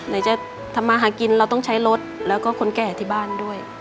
ไหนจะทำมาหากินเราต้องใช้รถแล้วก็คนแก่ที่บ้านด้วย